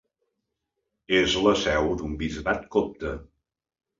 És la seu d'un bisbat copte.